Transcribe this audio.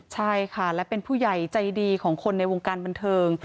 ใช่ค่ะและเป็นผู้ใหญ่ใจดีของคนในวงการบันเทิง